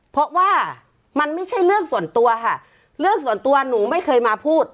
เพราะว่ามันไม่ใช่เรื่องส่วนตัวค่ะเรื่องส่วนตัวหนูไม่เคยมาพูด